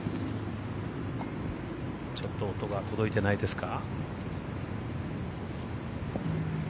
ちょっと音が届いてないですか。